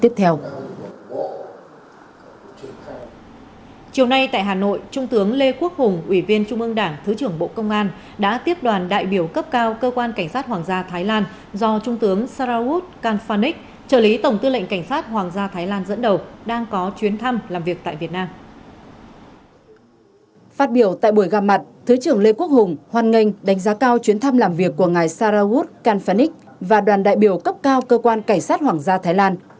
phát biểu tại buổi gặp mặt thứ trưởng lê quốc hùng hoàn ngành đánh giá cao chuyến thăm làm việc của ngài sarawut kanphanik và đoàn đại biểu cấp cao cơ quan cảnh sát hoàng gia thái lan